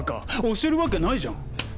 教えるわけないじゃん。